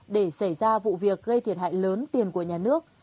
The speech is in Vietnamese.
để xảy ra vụ việc gây thiệt hại lớn tiền của nhà nước